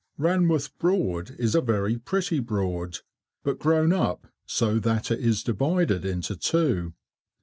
Ranworth Broad is a very pretty Broad, but grown up so that it is divided into two.